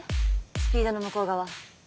スピードの向こう側。